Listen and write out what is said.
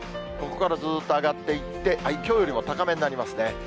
ここからずっと上がっていって、きょうよりも高めになりますね。